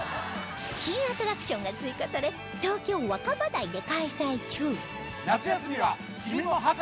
新アトラクションが追加され東京若葉台で開催中。